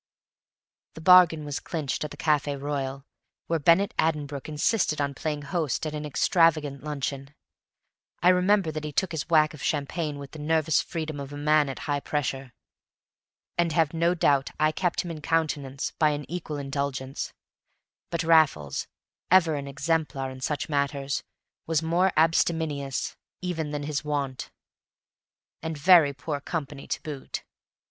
The bargain was clinched at the Café Royal, where Bennett Addenbrooke insisted on playing host at an extravagant luncheon. I remember that he took his whack of champagne with the nervous freedom of a man at high pressure, and have no doubt I kept him in countenance by an equal indulgence; but Raffles, ever an exemplar in such matters, was more abstemious even than his wont, and very poor company to boot.